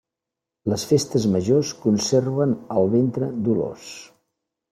Les festes majors conserven al ventre dolors.